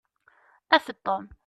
Afet-d Tom.